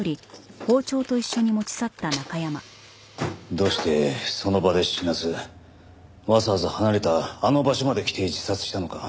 どうしてその場で死なずわざわざ離れたあの場所まで来て自殺したのか。